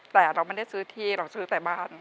แต่เราไม่ได้ซื้อที่เราซื้อแต่บ้าน